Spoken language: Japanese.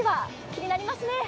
気になりますね。